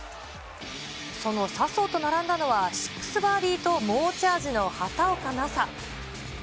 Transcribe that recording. その笹生と並んだのは、シックスバーディーと猛チャージの畑岡奈紗。